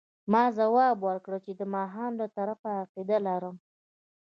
ما ځواب ورکړ چې د ماښام له طرفه عقیده لرم.